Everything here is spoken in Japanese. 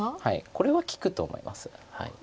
これは利くと思います。